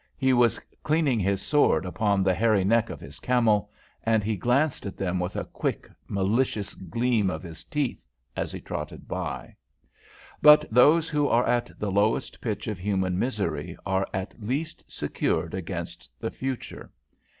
He was cleaning his sword upon the hairy neck of his camel, and he glanced at them with a quick, malicious gleam of his teeth as he trotted by. But those who are at the lowest pitch of human misery are at least secured against the future.